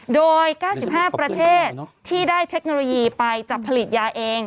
โดย๙๕ประเทศที่ได้เทคโนโลยีไปจับผลิตยาเอง